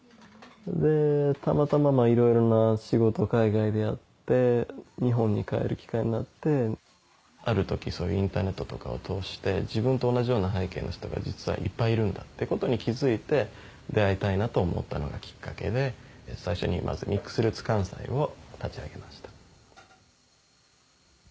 でたまたまいろいろな仕事を海外でやって日本に帰る機会になってある時インターネットとかを通して自分と同じような背景の人が実はいっぱいいるんだってことに気付いて出会いたいなと思ったのがきっかけで最初にミックスルーツ関西を立ち上げました。